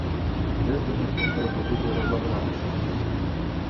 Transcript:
З гэтым усім трэба будзе разабрацца.